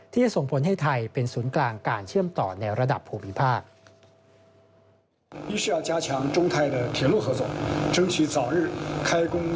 ที่จะส่งผลให้ไทยเป็นศูนย์กลางการเชื่อมต่อในระดับภูมิภาค